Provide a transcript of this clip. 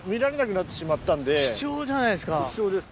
貴重じゃないですか。